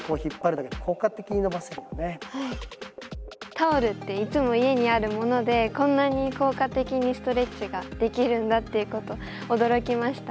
タオルっていつも家にあるものでこんなに効果的にストレッチができるんだっていうことに驚きました。